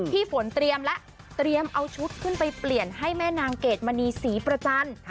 พี่ฝนเตรียมแล้วเตรียมเอาชุดขึ้นไปเปลี่ยนให้แม่นางเกดมณีศรีประจันทร์